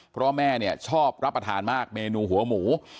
เพราะแม่เนี่ยชอบรับประทานมากเมนูหัวหมู